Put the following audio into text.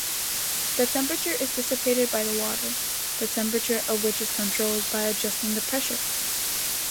The temperature is dissipated by the water, the temperature of which is controlled by adjusting the pressure.